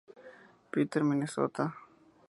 Peter, Minnesota.